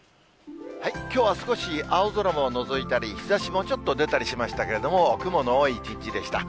きょうは少し青空ものぞいたり、日ざしもちょっと出たりしましたけれども、雲の多い一日でした。